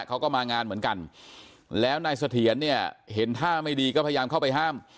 เขาก็มางานเหมือนกันแล้วนายเสถียรเนี่ยเห็นท่าไม่ดีก็พยายามเข้าไปห้าม